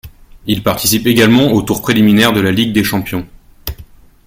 Il participe également au tour préliminaire de la Ligue des champions.